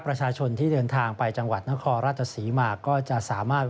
ประชาชนที่เดินทางไปจังหวัดนครราชศรีมาก็จะสามารถ